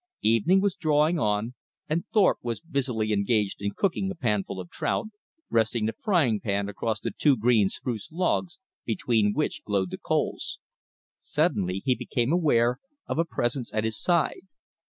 Evening was drawing on, and Thorpe was busily engaged in cooking a panful of trout, resting the frying pan across the two green spruce logs between which glowed the coals. Suddenly he became aware of a presence at his side.